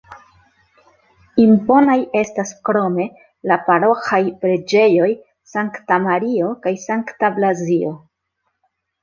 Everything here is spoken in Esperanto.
Imponaj estas krome la paroĥaj preĝejoj Sankta Mario kaj Sankta Blazio.